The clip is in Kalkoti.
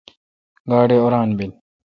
گاڑی اوران بیل۔